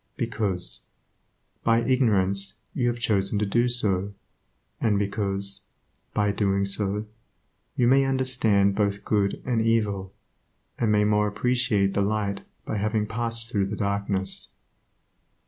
Because, by ignorance, you have chosen to do so, and because, by doing so, you may understand both good and evil, and may the more appreciate the light by having passed through the darkness.